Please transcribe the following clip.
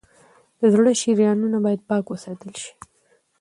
د زړه شریانونه باید پاک وساتل شي.